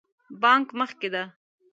بانک مخکې ده